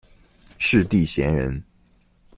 释谛闲人。